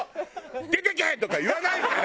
「出てけ！」とか言わないから。